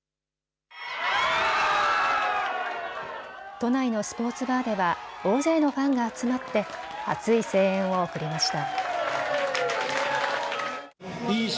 都内のスポーツバーでは大勢のファンが集まって熱い声援を送りました。